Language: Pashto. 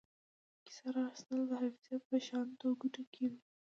کیسه را اخیستل د حافظې په شاتنیو کوټو کې وو.